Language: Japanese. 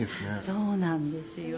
そうなんですよ。